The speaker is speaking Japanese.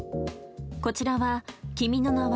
こちらは「君の名は。」